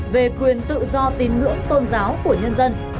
về quyền tự do tín ngưỡng tôn giáo của nhân dân